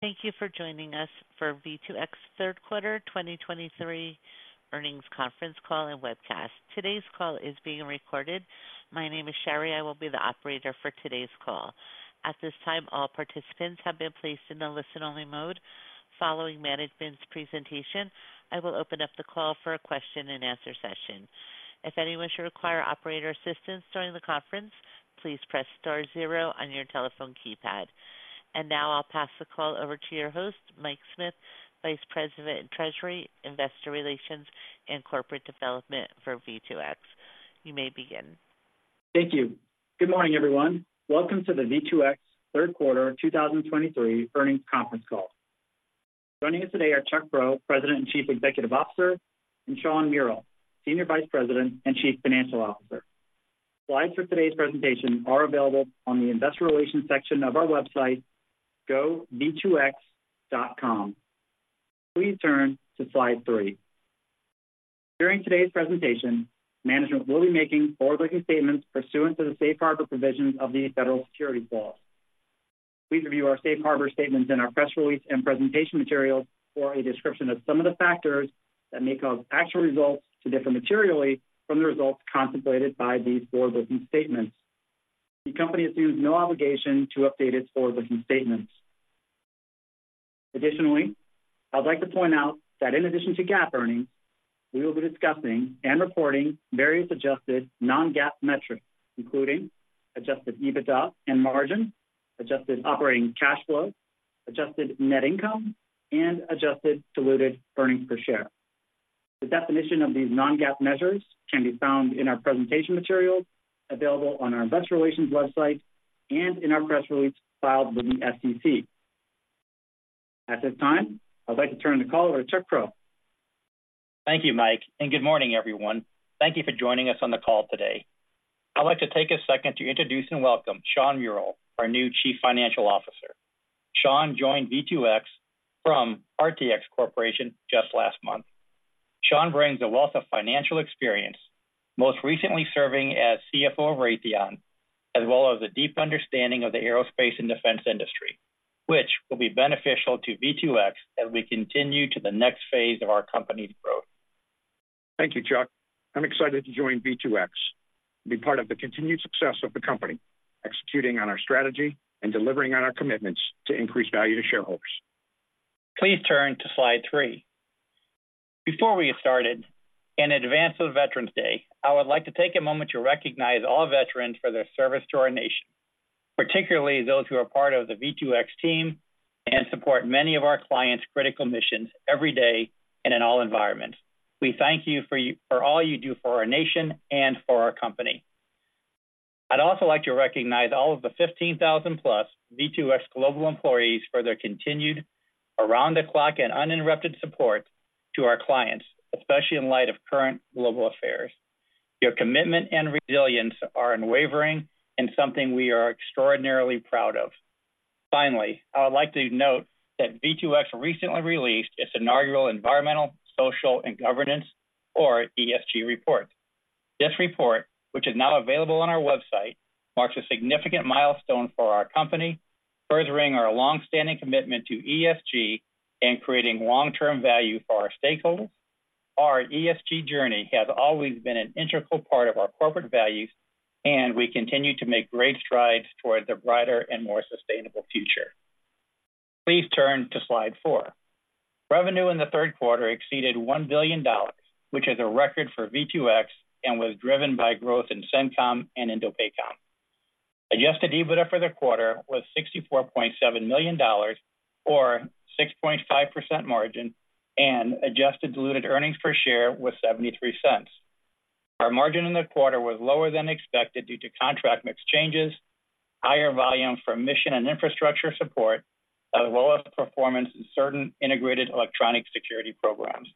Thank you for joining us for V2X third quarter 2023 earnings conference call and webcast. Today's call is being recorded. My name is Shari. I will be the operator for today's call. At this time, all participants have been placed in a listen-only mode. Following management's presentation, I will open up the call for a question-and-answer session. If anyone should require operator assistance during the conference, please press star zero on your telephone keypad. And now I'll pass the call over to your host, Mike Smith, Vice President of Treasury, Investor Relations, and Corporate Development for V2X. You may begin. Thank you. Good morning, everyone. Welcome to the V2X third quarter 2023 earnings conference call. Joining us today are Chuck Prow, President and Chief Executive Officer, and Shawn Mural, Senior Vice President and Chief Financial Officer. Slides for today's presentation are available on the investor relations section of our website, v2x.com. Please turn to slide three. During today's presentation, management will be making forward-looking statements pursuant to the safe harbor provisions of the federal securities laws. Please review our safe harbor statements in our press release and presentation materials for a description of some of the factors that may cause actual results to differ materially from the results contemplated by these forward-looking statements. The company assumes no obligation to update its forward-looking statements. Additionally, I would like to point out that in addition to GAAP earnings, we will be discussing and reporting various adjusted non-GAAP metrics, including adjusted EBITDA and margin, adjusted operating cash flow, adjusted net income, and adjusted diluted earnings per share. The definition of these non-GAAP measures can be found in our presentation materials available on our investor relations website and in our press release filed with the SEC. At this time, I'd like to turn the call over to Chuck Prow. Thank you, Mike, and good morning, everyone. Thank you for joining us on the call today. I'd like to take a second to introduce and welcome Shawn Mural, our new Chief Financial Officer. Shawn joined V2X from RTX Corporation just last month. Shawn brings a wealth of financial experience, most recently serving as CFO of Raytheon, as well as a deep understanding of the aerospace and defense industry, which will be beneficial to V2X as we continue to the next phase of our company's growth. Thank you, Chuck. I'm excited to join V2X and be part of the continued success of the company, executing on our strategy and delivering on our commitments to increase value to shareholders. Please turn to slide three. Before we get started, in advance of Veterans Day, I would like to take a moment to recognize all veterans for their service to our nation, particularly those who are part of the V2X team and support many of our clients' critical missions every day and in all environments. We thank you for all you do for our nation and for our company. I'd also like to recognize all of the 15,000-plus V2X global employees for their continued around-the-clock and uninterrupted support to our clients, especially in light of current global affairs. Your commitment and resilience are unwavering and something we are extraordinarily proud of. Finally, I would like to note that V2X recently released its inaugural Environmental, Social, and Governance, or ESG, report. This report, which is now available on our website, marks a significant milestone for our company, furthering our long-standing commitment to ESG and creating long-term value for our stakeholders. Our ESG journey has always been an integral part of our corporate values, and we continue to make great strides toward the brighter and more sustainable future. Please turn to slide four. Revenue in the third quarter exceeded $1 billion, which is a record for V2X and was driven by growth in CENTCOM and INDOPACOM. Adjusted EBITDA for the quarter was $64.7 million or 6.5% margin, and adjusted diluted earnings per share was $0.73. Our margin in the quarter was lower than expected due to contract mix changes, higher volume from mission and infrastructure support, as well as performance in certain integrated electronic security programs.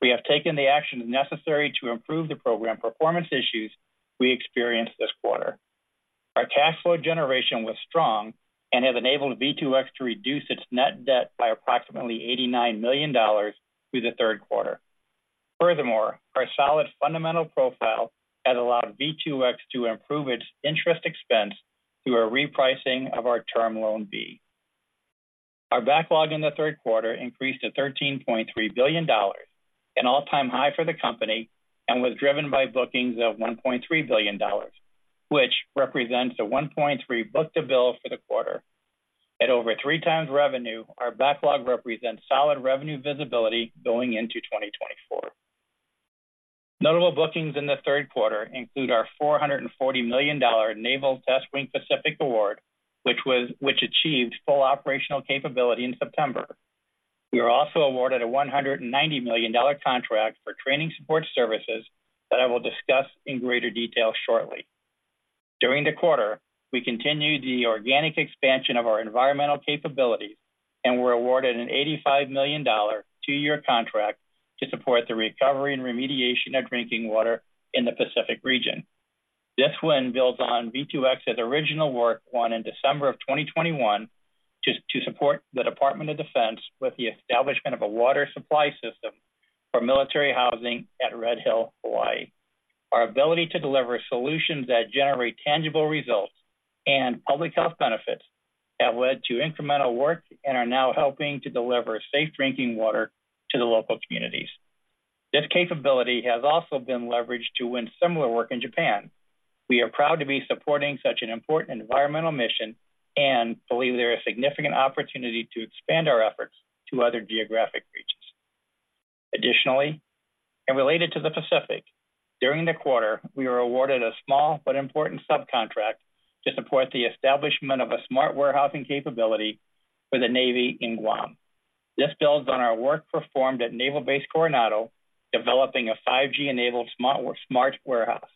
We have taken the actions necessary to improve the program performance issues we experienced this quarter. Our cash flow generation was strong and has enabled V2X to reduce its net debt by approximately $89 million through the third quarter. Furthermore, our solid fundamental profile has allowed V2X to improve its interest expense through a repricing of our Term Loan B. Our backlog in the third quarter increased to $13.3 billion, an all-time high for the company, and was driven by bookings of $1.3 billion, which represents a 1.3 book-to-bill for the quarter. At over 3x revenue, our backlog represents solid revenue visibility going into 2024. Notable bookings in the third quarter include our $440 million Naval Test Wing Pacific award, which achieved full operational capability in September. We were also awarded a $190 million contract for training support services that I will discuss in greater detail shortly. During the quarter, we continued the organic expansion of our environmental capabilities and were awarded an $85 million two-year contract to support the recovery and remediation of drinking water in the Pacific region. This win builds on V2X's original work won in December of 2021 to support the Department of Defense with the establishment of a water supply system for military housing at Red Hill, Hawaii. Our ability to deliver solutions that generate tangible results and public health benefits that led to incremental work and are now helping to deliver safe drinking water to the local communities. This capability has also been leveraged to win similar work in Japan. We are proud to be supporting such an important environmental mission and believe there is significant opportunity to expand our efforts to other geographic regions. Additionally, and related to the Pacific, during the quarter, we were awarded a small but important subcontract to support the establishment of a smart warehousing capability for the Navy in Guam. This builds on our work performed at Naval Base Coronado, developing a 5G-enabled smart warehouse.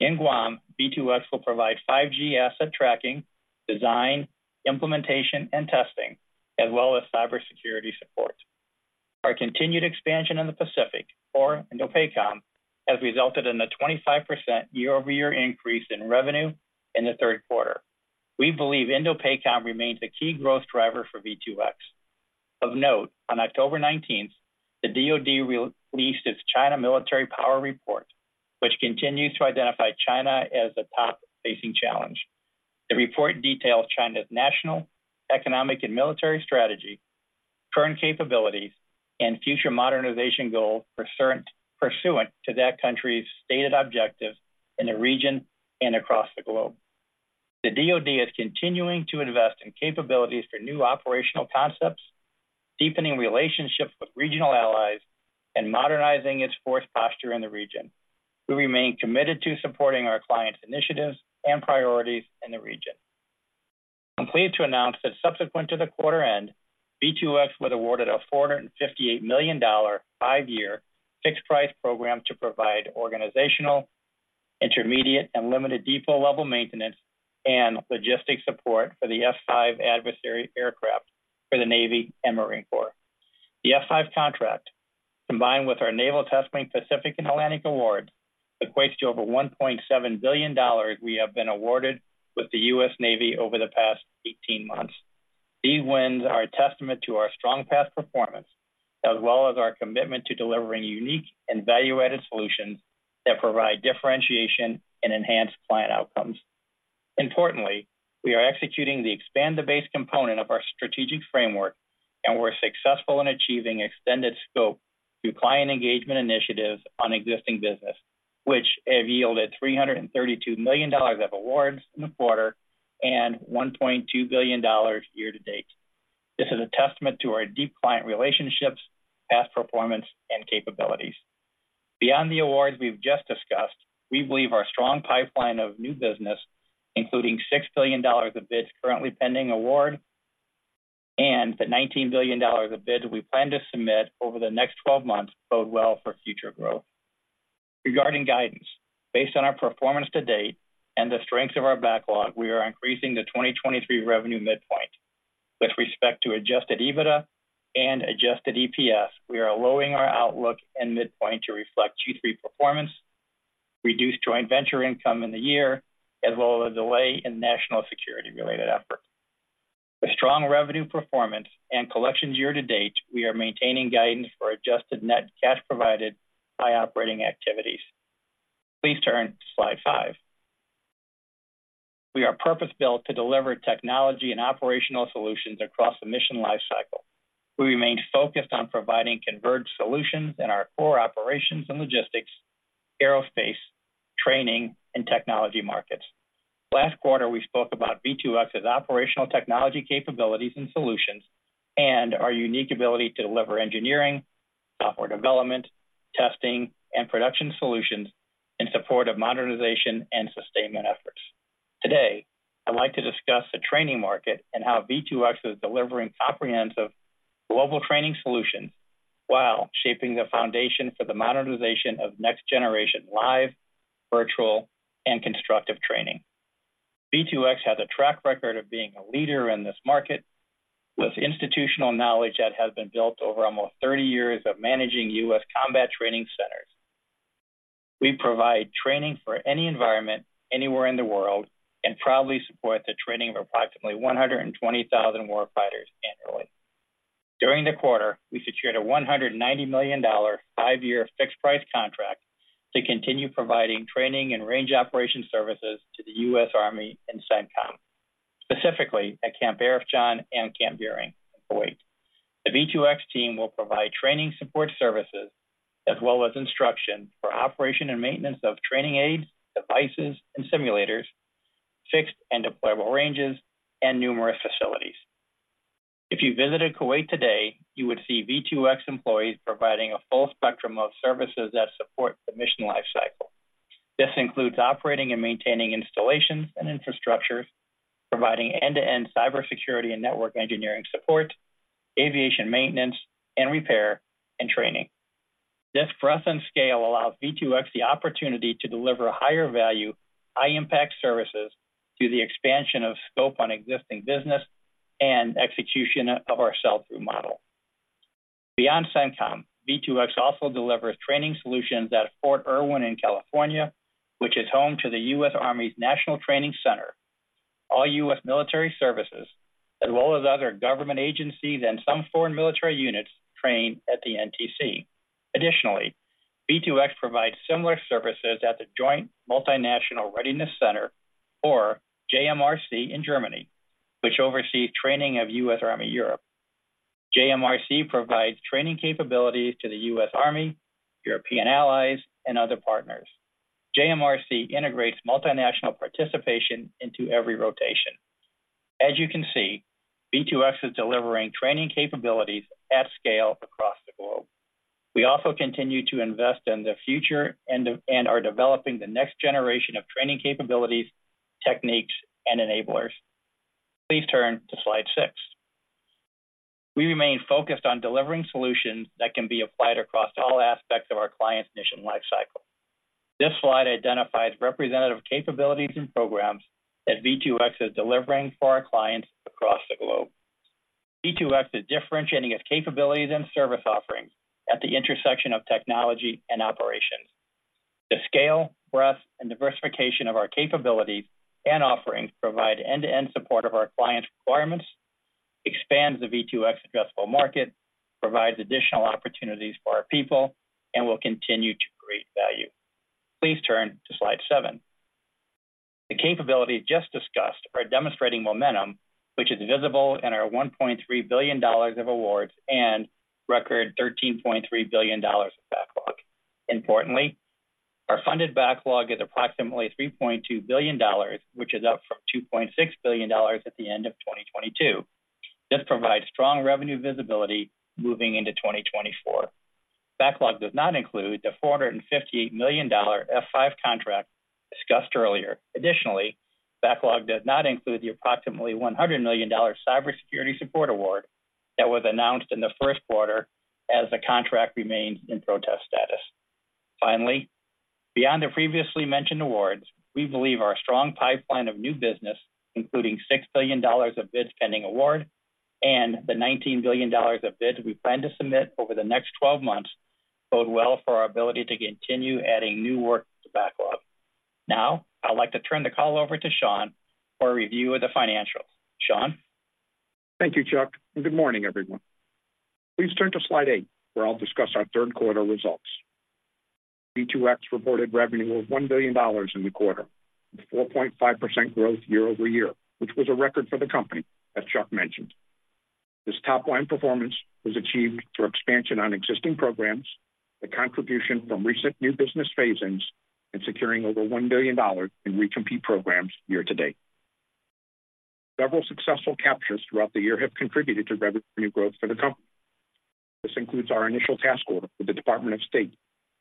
In Guam, V2X will provide 5G asset tracking, design, implementation, and testing, as well as cybersecurity support. Our continued expansion in the Pacific, or INDOPACOM, has resulted in a 25% year-over-year increase in revenue in the third quarter. We believe INDOPACOM remains a key growth driver for V2X. Of note, on October 19, the DoD released its China Military Power report, which continues to identify China as a top pacing challenge. The report details China's national, economic, and military strategy, current capabilities, and future modernization goals pursuant to that country's stated objectives in the region and across the globe. The DoD is continuing to invest in capabilities for new operational concepts, deepening relationships with regional allies, and modernizing its force posture in the region. We remain committed to supporting our clients' initiatives and priorities in the region. I'm pleased to announce that subsequent to the quarter end, V2X was awarded a $458 million, five-year fixed price program to provide organizational, intermediate, and limited depot-level maintenance and logistics support for the F-5 adversary aircraft for the Navy and Marine Corps. The F-5 contract, combined with our Naval Test Wing Pacific and Atlantic award, equates to over $1.7 billion we have been awarded with the U.S. Navy over the past 18 months. These wins are a testament to our strong past performance, as well as our commitment to delivering unique and value-added solutions that provide differentiation and enhance client outcomes. Importantly, we are executing the expand the base component of our strategic framework, and we're successful in achieving extended scope through client engagement initiatives on existing business, which have yielded $332 million of awards in the quarter and $1.2 billion year to date. This is a testament to our deep client relationships, past performance, and capabilities. Beyond the awards we've just discussed, we believe our strong pipeline of new business, including $6 billion of bids currently pending award, and the $19 billion of bids we plan to submit over the next twelve months, bode well for future growth. Regarding guidance, based on our performance to date and the strength of our backlog, we are increasing the 2023 revenue midpoint. With respect to adjusted EBITDA and adjusted EPS, we are lowering our outlook and midpoint to reflect Q3 performance, reduced joint venture income in the year, as well as a delay in national security-related efforts. With strong revenue performance and collections year to date, we are maintaining guidance for adjusted net cash provided by operating activities. Please turn to slide five. We are purpose-built to deliver technology and operational solutions across the mission lifecycle. We remain focused on providing converged solutions in our core operations and logistics, aerospace, training, and technology markets. Last quarter, we spoke about V2X's operational technology capabilities and solutions, and our unique ability to deliver engineering, software development, testing, and production solutions in support of modernization and sustainment efforts. Today, I'd like to discuss the training market and how V2X is delivering comprehensive global training solutions while shaping the foundation for the modernization of next-generation live, virtual, and constructive training. V2X has a track record of being a leader in this market with institutional knowledge that has been built over almost 30 years of managing U.S. combat training centers. We provide training for any environment, anywhere in the world, and proudly support the training of approximately 120,000 warfighters annually. During the quarter, we secured a $190 million, five-year fixed price contract to continue providing training and range operation services to the U.S. Army in CENTCOM, specifically at Camp Arifjan and Camp Buehring, Kuwait. The V2X team will provide training support services as well as instruction for operation and maintenance of training aids, devices, and simulators, fixed and deployable ranges, and numerous facilities. If you visited Kuwait today, you would see V2X employees providing a full spectrum of services that support the mission lifecycle. This includes operating and maintaining installations and infrastructures, providing end-to-end cybersecurity and network engineering support, aviation maintenance and repair, and training. This presence and scale allows V2X the opportunity to deliver higher-value, high-impact services through the expansion of scope on existing business and execution of our sell-through model. Beyond CENTCOM, V2X also delivers training solutions at Fort Irwin in California, which is home to the U.S. Army's National Training Center. All U.S. military services, as well as other government agencies and some foreign military units, train at the NTC. Additionally, V2X provides similar services at the Joint Multinational Readiness Center, or JMRC, in Germany, which oversees training of U.S. Army Europe. JMRC provides training capabilities to the U.S. Army, European allies, and other partners. JMRC integrates multinational participation into every rotation. As you can see, V2X is delivering training capabilities at scale across the globe. We also continue to invest in the future and are developing the next generation of training capabilities, techniques, and enablers. Please turn to slide six. We remain focused on delivering solutions that can be applied across all aspects of our clients' mission lifecycle. This slide identifies representative capabilities and programs that V2X is delivering for our clients across the globe. V2X is differentiating its capabilities and service offerings at the intersection of technology and operations. The scale, breadth, and diversification of our capabilities and offerings provide end-to-end support of our client requirements, expands the V2X addressable market, provides additional opportunities for our people, and will continue to create value. Please turn to slide seven. The capabilities just discussed are demonstrating momentum, which is visible in our $1.3 billion of awards and record $13.3 billion of backlog. Importantly, our funded backlog is approximately $3.2 billion, which is up from $2.6 billion at the end of 2022. This provides strong revenue visibility moving into 2024. Backlog does not include the $458 million F-5 contract discussed earlier. Additionally, backlog does not include the approximately $100 million cybersecurity support award that was announced in the first quarter, as the contract remains in protest status. Finally, beyond the previously mentioned awards, we believe our strong pipeline of new business, including $6 billion of bids pending award and the $19 billion of bids we plan to submit over the next 12 months, bode well for our ability to continue adding new work to backlog. Now, I'd like to turn the call over to Shawn for a review of the financials. Shawn? Thank you, Chuck, and good morning, everyone. Please turn to slide eight, where I'll discuss our third quarter results. V2X reported revenue of $1 billion in the quarter, with 4.5% growth year-over-year, which was a record for the company, as Chuck mentioned. This top-line performance was achieved through expansion on existing programs, the contribution from recent new business phase-ins, and securing over $1 billion in re-compete programs year to date. Several successful captures throughout the year have contributed to revenue growth for the company. This includes our initial task order with the Department of State,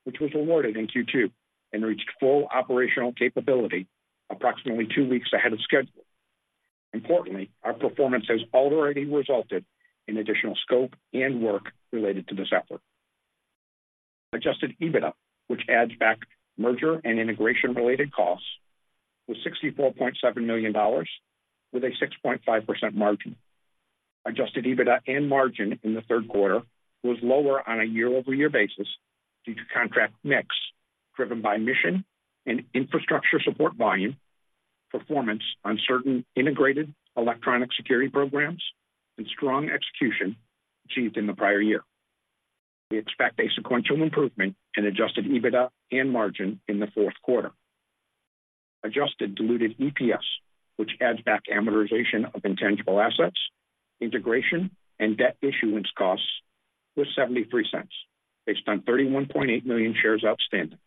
which was awarded in Q2 and reached full operational capability approximately two weeks ahead of schedule. Importantly, our performance has already resulted in additional scope and work related to this effort. Adjusted EBITDA, which adds back merger and integration-related costs, was $64.7 million, with a 6.5% margin. Adjusted EBITDA and margin in the third quarter was lower on a year-over-year basis due to contract mix, driven by mission and infrastructure support volume, performance on certain integrated electronic security programs, and strong execution achieved in the prior year. We expect a sequential improvement in Adjusted EBITDA and margin in the fourth quarter. Adjusted Diluted EPS, which adds back amortization of intangible assets, integration, and debt issuance costs, was $0.73 based on 31.8 million shares outstanding.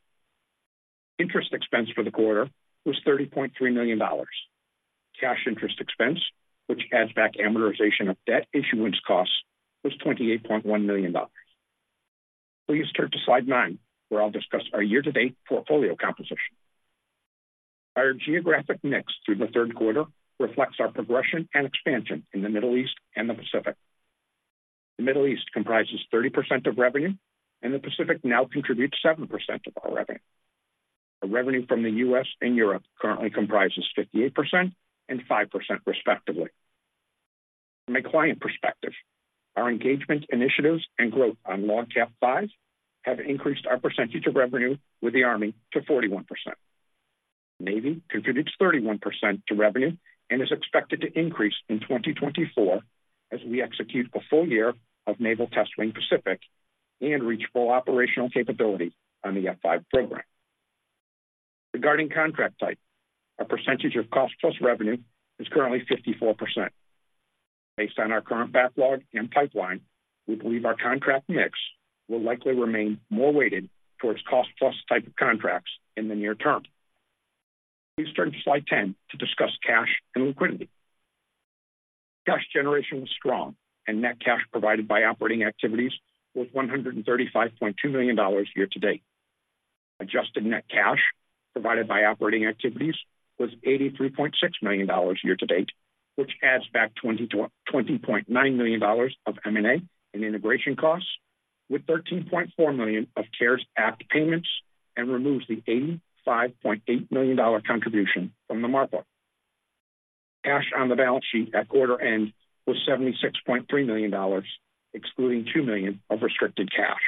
Interest expense for the quarter was $30.3 million. Cash interest expense, which adds back amortization of debt issuance costs, was $28.1 million. Please turn to slide nine, where I'll discuss our year-to-date portfolio composition. Our geographic mix through the third quarter reflects our progression and expansion in the Middle East and the Pacific. The Middle East comprises 30% of revenue, and the Pacific now contributes 7% of our revenue. Our revenue from the U.S. and Europe currently comprises 58% and 5%, respectively. From a client perspective, our engagement initiatives and growth on large-cap F-5s have increased our percentage of revenue with the Army to 41%. Navy contributes 31% to revenue and is expected to increase in 2024 as we execute a full year of Naval Test Wing Pacific and reach full operational capability on the F-5 program. Regarding contract type, our percentage of cost plus revenue is currently 54%. Based on our current backlog and pipeline, we believe our contract mix will likely remain more weighted towards cost plus type of contracts in the near term. Please turn to slide 10 to discuss cash and liquidity. Cash generation was strong, and net cash provided by operating activities was $135.2 million year to date. Adjusted net cash provided by operating activities was $83.6 million year to date, which adds back $20.9 million of M&A and integration costs, with $13.4 million of CARES Act payments, and removes the $85.8 million dollar contribution from the MARPA. Cash on the balance sheet at quarter end was $76.3 million, excluding $2 million of restricted cash.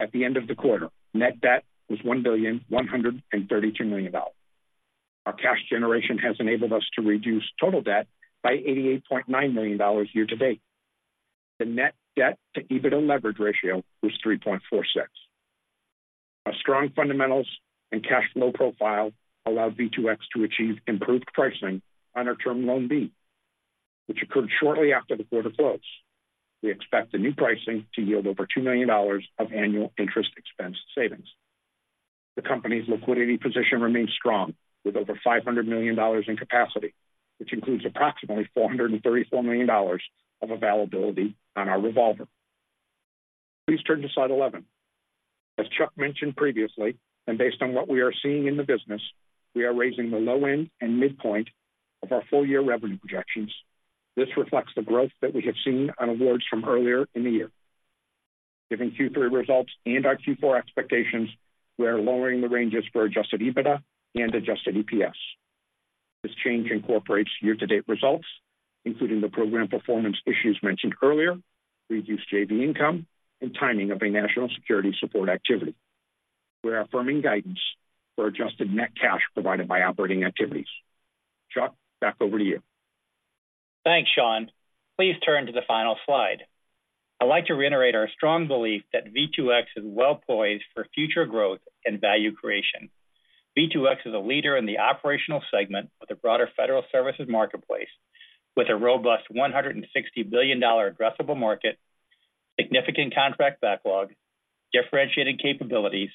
At the end of the quarter, net debt was $1.132 billion. Our cash generation has enabled us to reduce total debt by $88.9 million year-to-date. The Net Debt to EBITDA leverage ratio was 3.46. Our strong fundamentals and cash flow profile allowed V2X to achieve improved pricing on our Term Loan B, which occurred shortly after the quarter close. We expect the new pricing to yield over $2 million of annual interest expense savings. The company's liquidity position remains strong, with over $500 million in capacity, which includes approximately $434 million of availability on our revolver. Please turn to slide 11. As Chuck mentioned previously, and based on what we are seeing in the business, we are raising the low end and midpoint of our full-year revenue projections. This reflects the growth that we have seen on awards from earlier in the year. Given Q3 results and our Q4 expectations, we are lowering the ranges for Adjusted EBITDA and Adjusted EPS. This change incorporates year-to-date results, including the program performance issues mentioned earlier, reduced JV income, and timing of a national security support activity. We're affirming guidance for adjusted net cash provided by operating activities. Chuck, back over to you. Thanks, Shawn. Please turn to the final slide. I'd like to reiterate our strong belief that V2X is well-poised for future growth and value creation. V2X is a leader in the operational segment of the broader federal services marketplace, with a robust $160 billion addressable market, significant contract backlog, differentiated capabilities,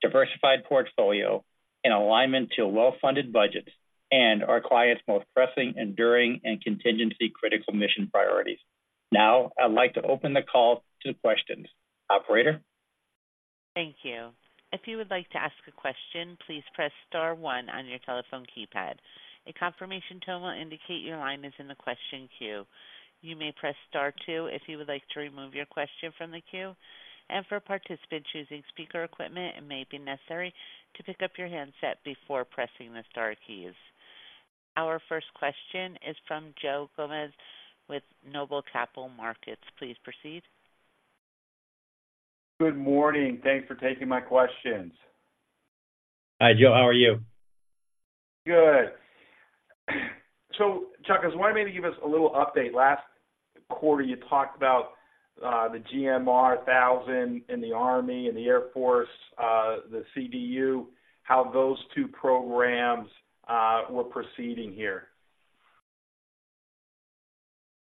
diversified portfolio, and alignment to well-funded budgets and our clients' most pressing, enduring, and contingency-critical mission priorities. Now, I'd like to open the call to questions. Operator? Thank you. If you would like to ask a question, please press star one on your telephone keypad. A confirmation tone will indicate your line is in the question queue. You may press star two if you would like to remove your question from the queue, and for participants using speaker equipment, it may be necessary to pick up your handset before pressing the star keys. Our first question is from Joe Gomes with Noble Capital Markets. Please proceed. Good morning. Thanks for taking my questions. Hi, Joe. How are you? Good. So Chuck, I was wondering if you could give us a little update. Last quarter, you talked about the GMR-1000 and the Army and the Air Force, the CDU, how those two programs were proceeding here.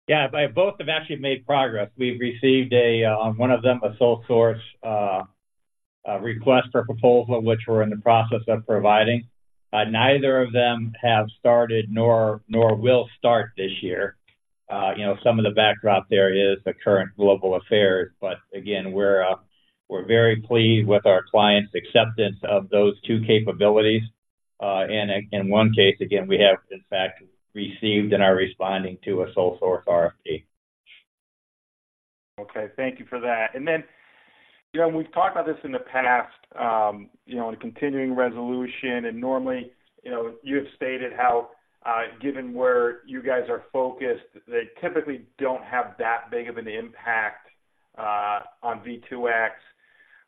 Yeah, both have actually made progress. We've received a, on one of them, a sole source, a request for proposal, which we're in the process of providing. Neither of them have started nor, nor will start this year. You know, some of the backdrop there is the current global affairs, but again, we're, we're very pleased with our clients' acceptance of those two capabilities. And in one case, again, we have in fact received and are responding to a sole source RFP. Okay, thank you for that. And then, you know, we've talked about this in the past, you know, in Continuing Resolution, and normally, you know, you have stated how, given where you guys are focused, they typically don't have that big of an impact on V2X.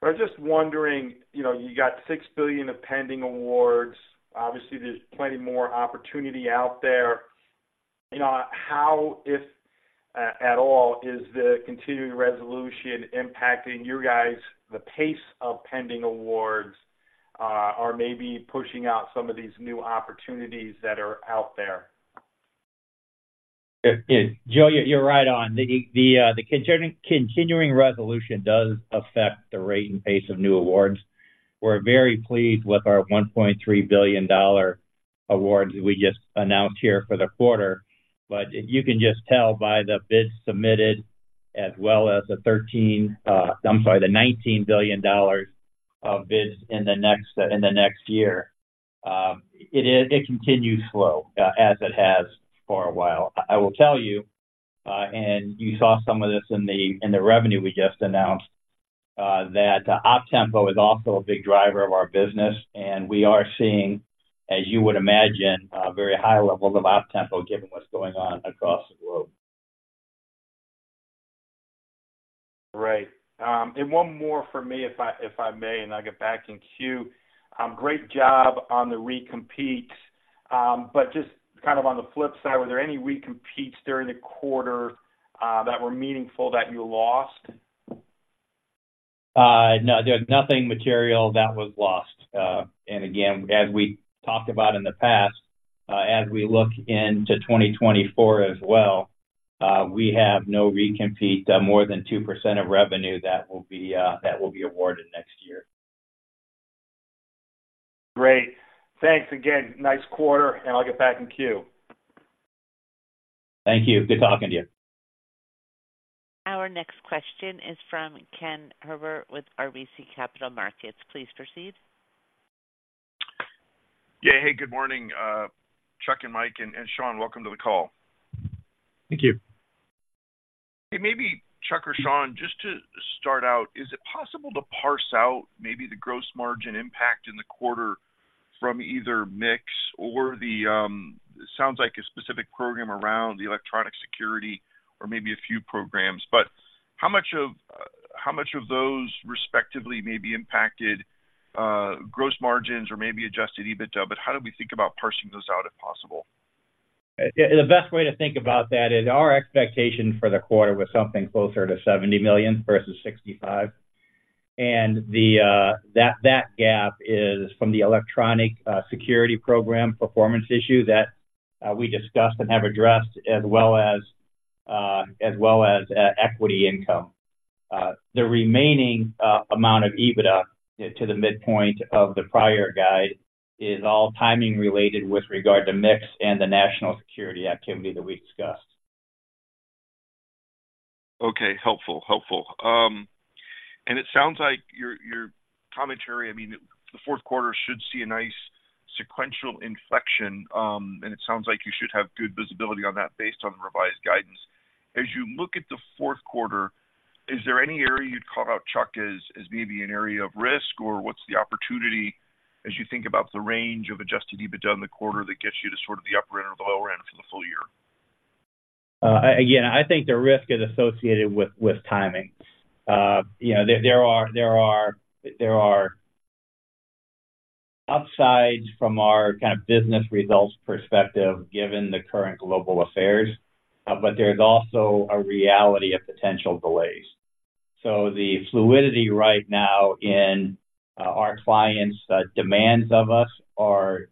But I'm just wondering, you know, you got $6 billion of pending awards. Obviously, there's plenty more opportunity out there. You know, how, if at all, is the Continuing Resolution impacting you guys, the pace of pending awards, or maybe pushing out some of these new opportunities that are out there? Yeah, Joe, you're right on. The continuing resolution does affect the rate and pace of new awards. We're very pleased with our $1.3 billion award we just announced here for the quarter, but you can just tell by the bids submitted, as well as the $19 billion of bids in the next year. It continues slow, as it has for a while. I will tell you, and you saw some of this in the revenue we just announced, that Optempo is also a big driver of our business, and we are seeing, as you would imagine, a very high level of Optempo given what's going on across the globe. Right. And one more for me, if I may, and I'll get back in queue. Great job on the recompetes, but just kind of on the flip side, were there any recompetes during the quarter that were meaningful that you lost? No, there's nothing material that was lost. And again, as we talked about in the past, as we look into 2024 as well, we have no re-compete more than 2% of revenue that will be, that will be awarded next year. Great. Thanks again. Nice quarter, and I'll get back in queue. Thank you. Good talking to you. Our next question is from Ken Herbert with RBC Capital Markets. Please proceed. Yeah. Hey, good morning, Chuck and Mike and Shawn, welcome to the call. Thank you. Hey, maybe Chuck or Shawn, just to start out, is it possible to parse out maybe the gross margin impact in the quarter from either mix or the, it sounds like a specific program around the electronic security or maybe a few programs. But how much of, how much of those respectively may be impacted, gross margins or maybe Adjusted EBITDA, but how do we think about parsing those out, if possible? Yeah, the best way to think about that is our expectation for the quarter was something closer to $70 million versus $65 million. And that, that gap is from the electronic security program performance issue that we discussed and have addressed as well as equity income. The remaining amount of EBITDA to the midpoint of the prior guide is all timing related with regard to mix and the national security activity that we discussed. Okay, helpful. Helpful. And it sounds like your, your commentary, I mean, the fourth quarter should see a nice sequential inflection, and it sounds like you should have good visibility on that based on the revised guidance. As you look at the fourth quarter, is there any area you'd call out, Chuck, as, as maybe an area of risk, or what's the opportunity as you think about the range of Adjusted EBITDA in the quarter that gets you to sort of the upper end or the lower end for the full year? Again, I think the risk is associated with timing. You know, there are upsides from our kind of business results perspective, given the current global affairs, but there's also a reality of potential delays. So the fluidity right now in our clients' demands of us are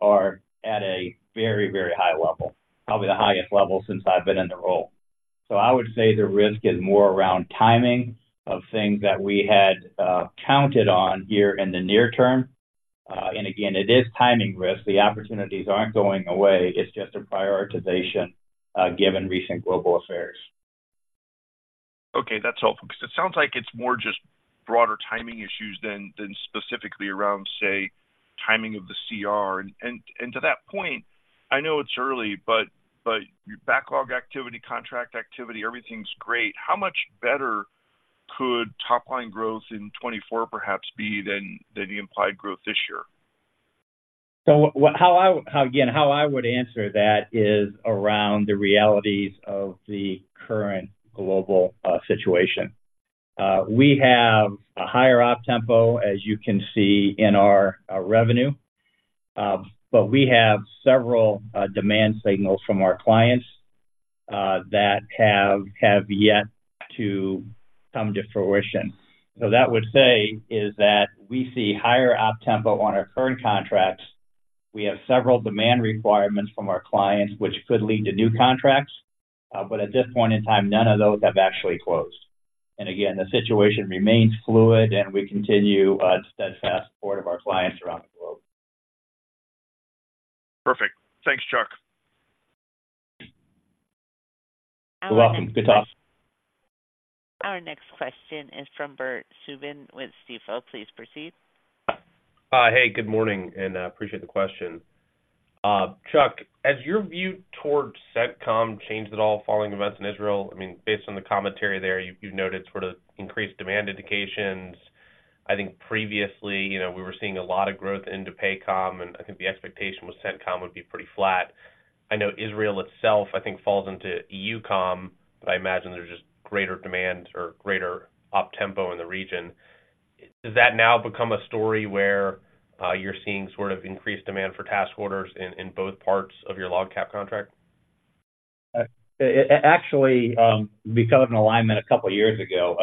at a very, very high level, probably the highest level since I've been in the role. So I would say the risk is more around timing of things that we had counted on here in the near term. And again, it is timing risk. The opportunities aren't going away, it's just a prioritization given recent global affairs. Okay, that's helpful, because it sounds like it's more just broader timing issues than specifically around, say, timing of the CR. And to that point, I know it's early, but your backlog activity, contract activity, everything's great. How much better could top-line growth in 2024 perhaps be than the implied growth this year? So, again, how I would answer that is around the realities of the current global situation. We have a higher op tempo, as you can see in our revenue, but we have several demand signals from our clients that have yet to come to fruition. So that would say is that we see higher op tempo on our current contracts. We have several demand requirements from our clients, which could lead to new contracts, but at this point in time, none of those have actually closed. And again, the situation remains fluid, and we continue steadfast support of our clients around the globe. Perfect. Thanks, Chuck. You're welcome. Good talk. Our next question is from Bert Subin with Stifel. Please proceed. Hey, good morning, and appreciate the question. Chuck, has your view towards CENTCOM changed at all following events in Israel? I mean, based on the commentary there, you, you've noted sort of increased demand indications. I think previously, you know, we were seeing a lot of growth into PACOM, and I think the expectation was CENTCOM would be pretty flat. I know Israel itself, I think, falls into EUCOM, but I imagine there's just greater demand or greater op tempo in the region. Does that now become a story where you're seeing sort of increased demand for task orders in both parts of your LOGCAP contract? Actually, because of an alignment a couple of years ago,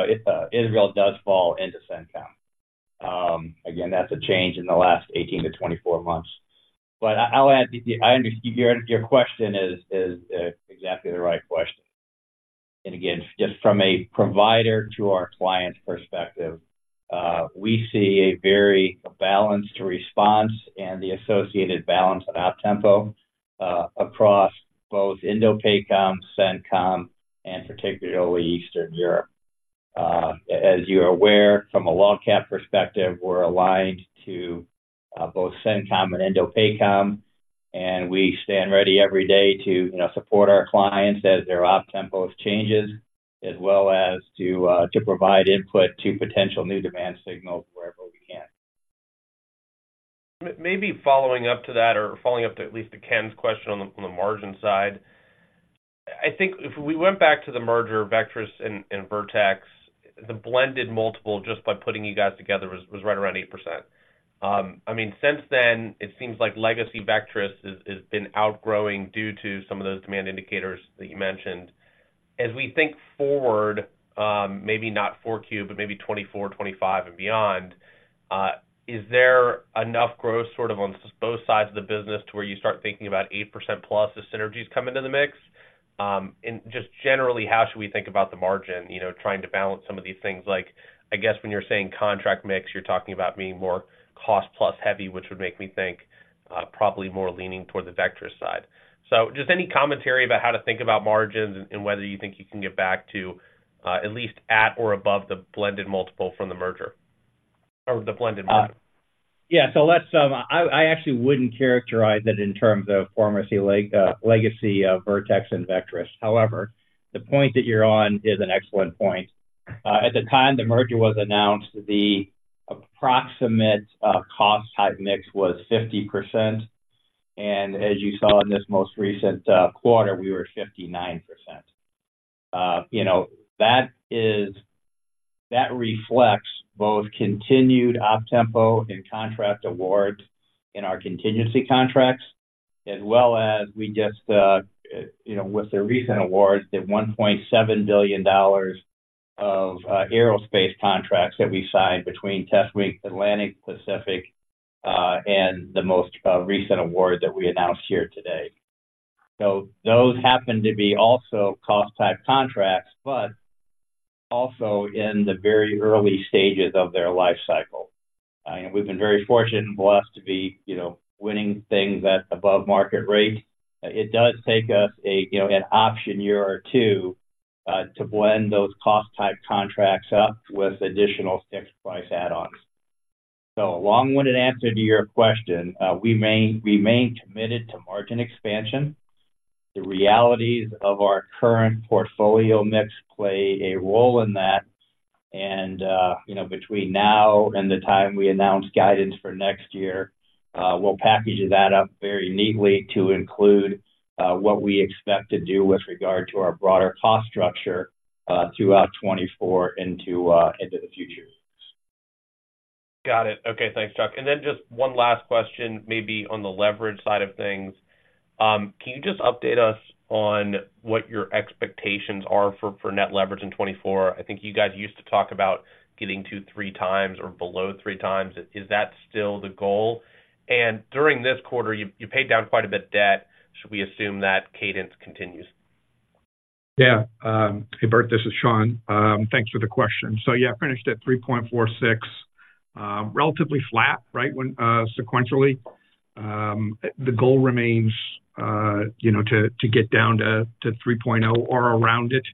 Israel does fall into CENTCOM. Again, that's a change in the last 18-24 months. But I'll add, your question is exactly the right question. And again, just from a provider to our client's perspective, we see a very balanced response and the associated balanced op tempo across both INDOPACOM, CENTCOM, and particularly Eastern Europe. As you're aware, from a LOGCAP perspective, we're aligned to both CENTCOM and INDOPACOM, and we stand ready every day to, you know, support our clients as their op tempo changes, as well as to provide input to potential new demand signals wherever we can. Maybe following up to that, or following up to at least Ken's question on the margin side. I think if we went back to the merger of Vectrus and Vertex, the blended multiple, just by putting you guys together, was right around 8%. I mean, since then, it seems like legacy Vectrus has been outgrowing due to some of those demand indicators that you mentioned. As we think forward, maybe not Q4, but maybe 2024, 2025 and beyond, is there enough growth sort of on both sides of the business to where you start thinking about 8%+ as synergies come into the mix? And just generally, how should we think about the margin? You know, trying to balance some of these things, like, I guess when you're saying contract mix, you're talking about being more cost-plus heavy, which would make me think, probably more leaning toward the Vectrus side. So just any commentary about how to think about margins and whether you think you can get back to, at least at or above the blended multiple from the merger, or the blended model. Yeah, so let's... I actually wouldn't characterize it in terms of formerly legacy Vertex and Vectrus. However, the point that you're on is an excellent point. At the time the merger was announced, the approximate cost type mix was 50%, and as you saw in this most recent quarter, we were 59%. You know, that is, that reflects both continued optempo and contract awards in our contingency contracts, as well as we just, you know, with the recent awards, the $1.7 billion of aerospace contracts that we signed between Test Wing Atlantic, Pacific, and the most recent award that we announced here today. So those happen to be also cost-type contracts, but also in the very early stages of their life cycle. And we've been very fortunate and blessed to be, you know, winning things at above market rate. It does take us a, you know, an option year or two, to blend those cost-type contracts up with additional fixed price add-ons. So a long-winded answer to your question, we remain, remain committed to margin expansion. The realities of our current portfolio mix play a role in that, and, you know, between now and the time we announce guidance for next year, we'll package that up very neatly to include, what we expect to do with regard to our broader cost structure, throughout 2024 into, into the future. Got it. Okay, thanks, Chuck. And then just one last question, maybe on the leverage side of things. Can you just update us on what your expectations are for net leverage in 2024? I think you guys used to talk about getting to 3x or below 3x. Is that still the goal? And during this quarter, you paid down quite a bit of debt. Should we assume that cadence continues? Yeah. Hey, Bert, this is Shawn. Thanks for the question. So, yeah, finished at 3.46, relatively flat, right, when sequentially. The goal remains, you know, to get down to 3.0, or around it,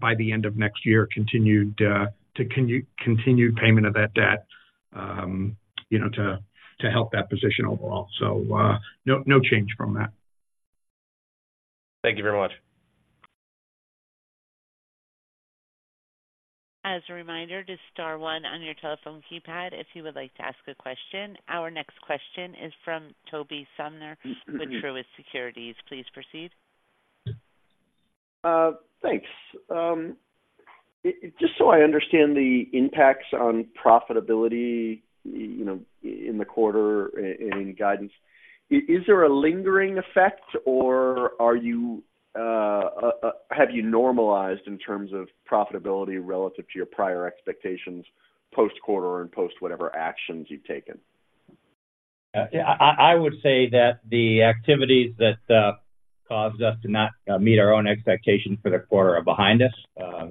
by the end of next year. Continued payment of that debt, you know, to help that position overall. So, no, no change from that. Thank you very much. As a reminder, just star one on your telephone keypad if you would like to ask a question. Our next question is from Tobey Sommer with Truist Securities. Please proceed. Thanks. Just so I understand the impacts on profitability, you know, in the quarter and guidance, is there a lingering effect, or are you, have you normalized in terms of profitability relative to your prior expectations, post-quarter and post whatever actions you've taken? I would say that the activities that caused us to not meet our own expectations for the quarter are behind us.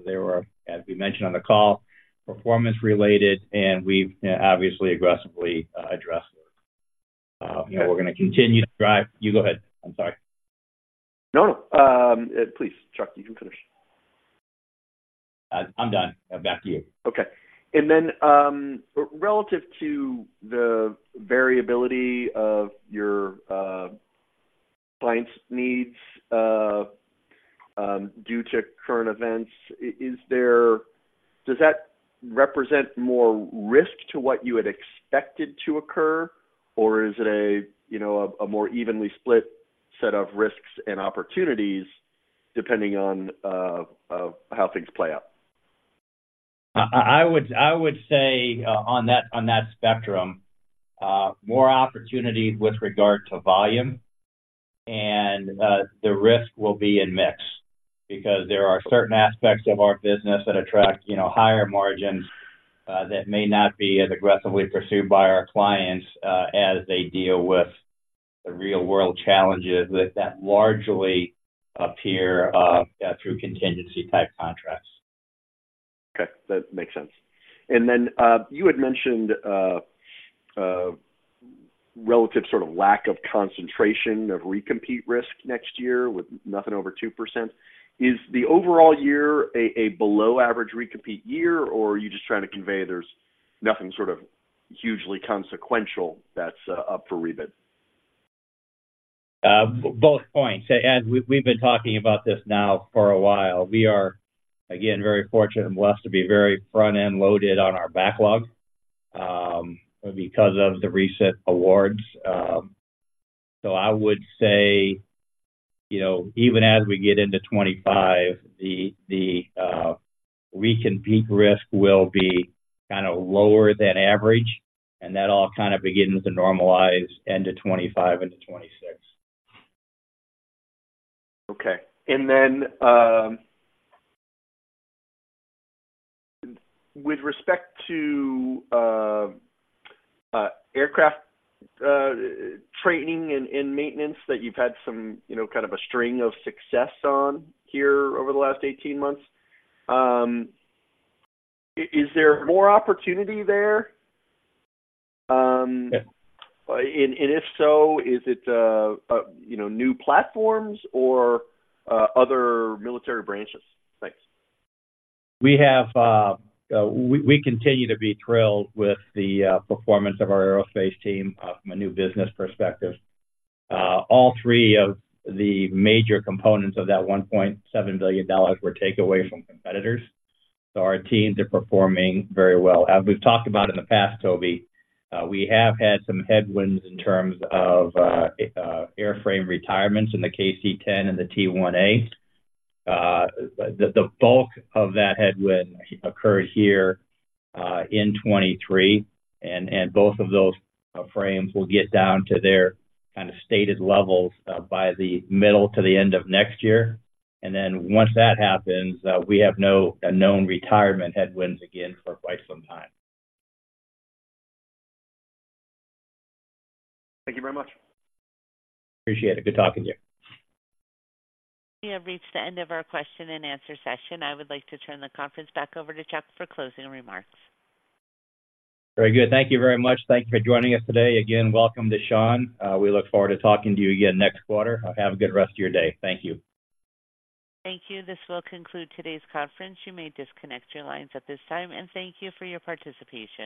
They were, as we mentioned on the call, performance related, and we've obviously aggressively addressed it. You know, we're gonna continue to drive... You go ahead. I'm sorry. No, no. Please, Chuck, you can finish. I'm done. Back to you. Okay. And then, relative to the variability of your clients' needs, due to current events, is there, does that represent more risk to what you had expected to occur? Or is it a, you know, a more evenly split set of risks and opportunities, depending on how things play out? I would say, on that spectrum, more opportunities with regard to volume, and the risk will be in mix. Because there are certain aspects of our business that attract, you know, higher margins, that may not be as aggressively pursued by our clients, as they deal with the real-world challenges that largely appear through contingency-type contracts. Okay, that makes sense. And then, you had mentioned relative sort of lack of concentration of recompete risk next year with nothing over 2%. Is the overall year a below average recompete year, or are you just trying to convey there's nothing sort of hugely consequential that's up for rebid? Both points. We, we've been talking about this now for a while. We are, again, very fortunate and blessed to be very front-end loaded on our backlog, because of the recent awards. I would say, you know, even as we get into 25, the recompete risk will be kind of lower than average, and that all kind of begins to normalize into 25 and to 26. Okay. And then, with respect to aircraft training and maintenance, that you've had some, you know, kind of a string of success on here over the last 18 months, is there more opportunity there? Yeah. If so, is it, you know, new platforms or other military branches? Thanks. We continue to be thrilled with the performance of our aerospace team from a new business perspective. All three of the major components of that $1.7 billion were taken away from competitors, so our teams are performing very well. As we've talked about in the past, Tobey, we have had some headwinds in terms of airframe retirements in the KC-10 and the T-1A. The bulk of that headwind occurred here in 2023, and both of those frames will get down to their kind of stated levels by the middle to the end of next year. And then once that happens, we have no known retirement headwinds again for quite some time. Thank you very much. Appreciate it. Good talking to you. We have reached the end of our question and answer session. I would like to turn the conference back over to Chuck for closing remarks. Very good. Thank you very much. Thank you for joining us today. Again, welcome to Shawn. We look forward to talking to you again next quarter. Have a good rest of your day. Thank you. Thank you. This will conclude today's conference. You may disconnect your lines at this time, and thank you for your participation.